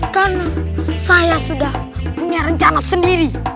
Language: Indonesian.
karena saya sudah punya rencana sendiri